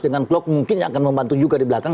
dengan klok mungkin yang akan membantu juga di belakang